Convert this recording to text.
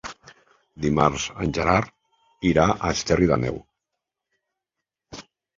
Dimarts en Gerard irà a Esterri d'Àneu.